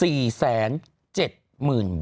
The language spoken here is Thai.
๖หรือ๗หรือ๖ป่ะ